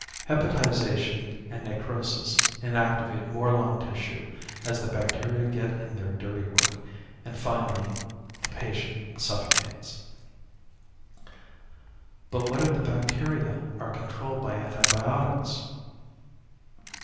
Hepatization and necrosis inactivate more lung tissue as the bacteria get in their dirty work, and finally the patient suffocates." "But what if the bacteria are controlled by antibiotics?"